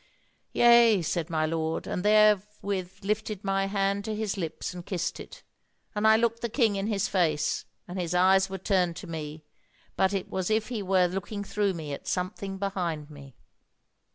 "'Yea,' said my lord, and therewith lifted my hand to his lips and kissed it, and I looked the king in his face, and his eyes were turned to me, but it was as if he were looking through me at something behind me.